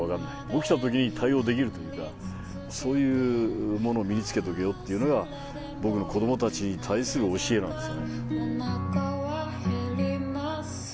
起きたとき対応できるというかそういうものを身に付けとけよっていうのが僕の子供たちに対する教えなんですよね。